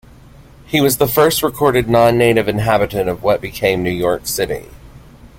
He was the first recorded non-native inhabitant of what became New York City.